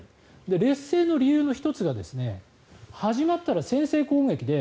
劣勢の理由の１つが始まったら先制攻撃で